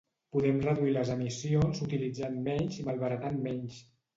Podem reduir les emissions utilitzant menys i malbaratant menys.